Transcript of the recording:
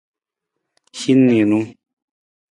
Hin niinu.